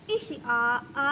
ih si a'a